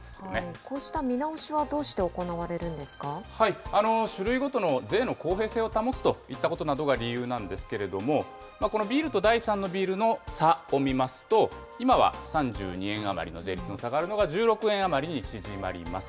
こうした見直しは、どうして種類ごとの税の公平性を保つといったことなどが理由なんですけれども、このビールと第３のビールの差を見ますと、今は３２円余りの税率の差があるのが、１６円余りに縮まります。